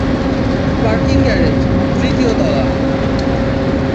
পার্কি garage, তৃতীয় তলা।